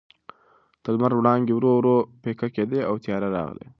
د لمر وړانګې ورو ورو پیکه کېدې او تیارې راغلې.